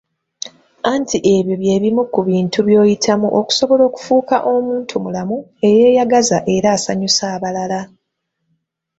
Anti ebyo bye bimu ku bintu by'oyitamu okusobala okufuuka omuntumulamu eyeeyagaza era asanyusa abalala.